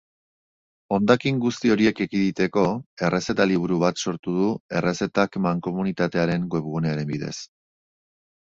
Hondakin guzti horiek ekiditeko, errezeta-liburu bat sortu du errezetak mankomunitatearen webgunearen bidez.